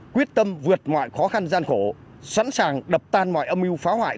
quyết tâm vượt mọi khó khăn gian khổ sẵn sàng đập tan mọi âm mưu phá hoại